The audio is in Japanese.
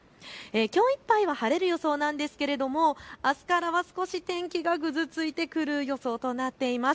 きょういっぱいは晴れる予想なんですがあすからは少し天気がぐずついてくる予想となっています。